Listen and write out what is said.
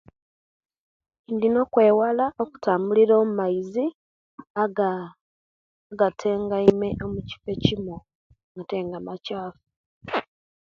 Ndina okweewala okutambulira omumaizi aga gatengaime omukkifo ekimu atenga makkyaafu.